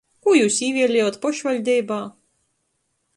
Kū jius īvieliejot pošvaļdeibā?